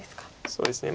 そうですね。